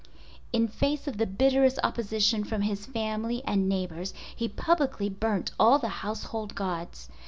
In face of the bitterest opposition from his family and neighbors he publicly burnt all the household gods.